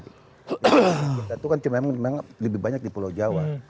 itu kan memang lebih banyak di pulau jawa